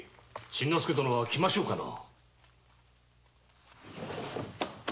真之介殿は来ましょうかな。